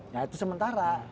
nah itu sementara